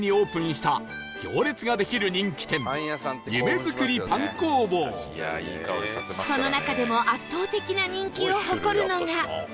その中でも圧倒的な人気を誇るのが